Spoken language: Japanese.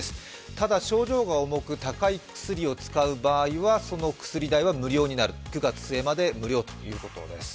ただ、症状が重く、高い薬を使う場合は、その薬代は９月末まで無料ということです。